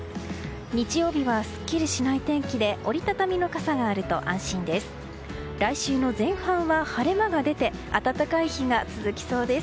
日曜日はすっきりしない天気で折り畳みの傘があると安心です。